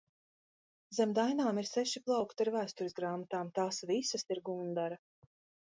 Zem dainām ir seši plaukti ar vēstures grāmatām, tās visas ir Gundara.